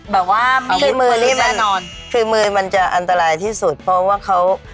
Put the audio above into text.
แบบว่ามือมันคือมือมันจะอันตรายที่สุดเพราะว่าเขา